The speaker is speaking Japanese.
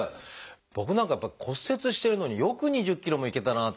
僕なんかはやっぱり骨折してるのによく２０ｋｍもいけたなあと。